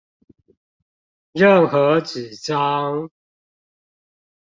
任何紙張